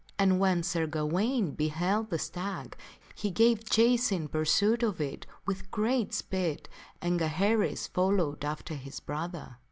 And when Sir Gawaine beheld the stag, he gave chase in pursuit of it with great speed, and Gaheris followed after his brother.